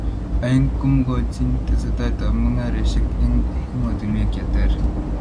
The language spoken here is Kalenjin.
Aeng , komukochini tesetaet ab mung'aresiek eng emotunwek che ter.